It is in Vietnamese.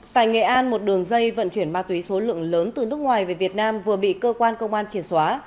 tại nghệ an một đường dây vận chuyển ma túy số lượng lớn từ nước ngoài về việt nam vừa bị cơ quan công an triển xóa